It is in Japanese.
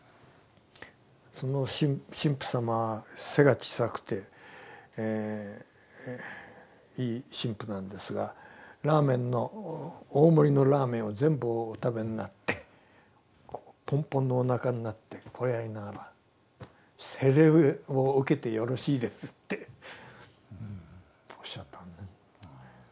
その神父様背が小さくていい神父なんですがラーメンの大盛りのラーメンを全部お食べになってポンポンのおなかになってこれやりながら「洗礼を受けてよろしいです」っておっしゃったのね。